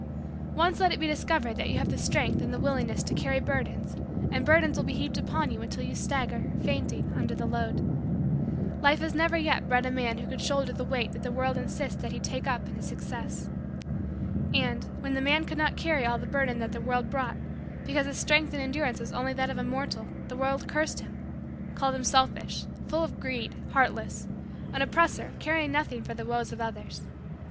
Once let it be discovered that you have the strength and the willingness to carry burdens and burdens will be heaped upon you until you stagger, fainting, under the load. Life has never yet bred a man who could shoulder the weight that the world insists that he take up in his success. And, when the man could not carry all the burdens that the world brought because his strength and endurance was only that of a mortal, the world cursed him called him selfish, full of greed, heartless, an oppressor caring nothing for the woes of others.